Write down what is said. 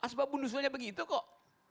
sebab bundusannya begitu kok